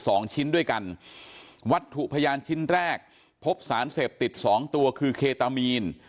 สองชิ้นด้วยกันวัตถุพยานชิ้นแรกพบสารเสพติดสองตัวคือเคตามีน